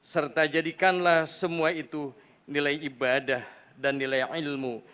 serta jadikanlah semua itu nilai ibadah dan nilai yang ilmu